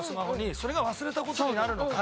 それが忘れた事になるのか。